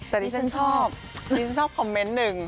แต่ดิฉันชอบดิฉันชอบคอมเมนต์หนึ่ง